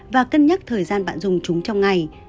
và cân nhắc thời gian bạn dùng chúng trong ngày